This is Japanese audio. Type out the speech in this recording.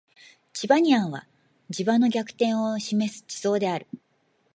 チバニアンは磁場の逆転を示す地層である